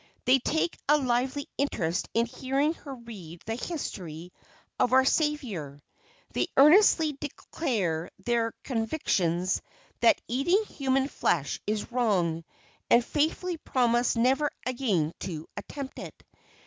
They take a lively interest in hearing her read the history of our Saviour. They earnestly declare their convictions that eating human flesh is wrong, and faithfully promise never again to attempt it.